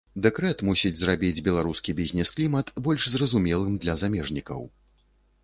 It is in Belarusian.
Дэкрэт мусіць зрабіць беларускі бізнес-клімат больш зразумелым для замежнікаў.